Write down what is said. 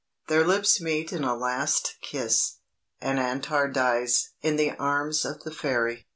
"Their lips meet in a last kiss, and Antar dies in the arms of the fairy."